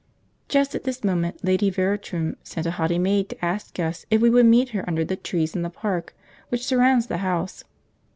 Just at this moment Lady Veratrum sent a haughty maid to ask us if we would meet her under the trees in the park which surrounds the house.